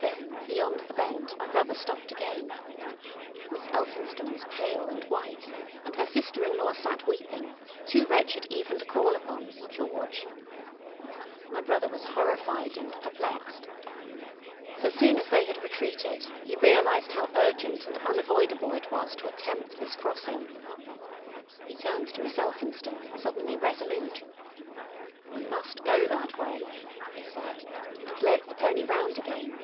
Then beyond the bend my brother stopped again. Miss Elphinstone was white and pale, and her sister in law sat weeping, too wretched even to call upon "George." My brother was horrified and perplexed. So soon as they had retreated he realised how urgent and unavoidable it was to attempt this crossing. He turned to Miss Elphinstone, suddenly resolute. "We must go that way," he said, and led the pony round again.